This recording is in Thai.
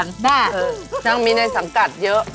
นางมีในสังกัดเยอะ